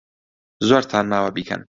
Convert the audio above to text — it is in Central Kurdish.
زۆرتان ماوە بیکەن.